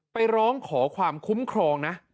ไปร้องขอความคุ้มครองนะ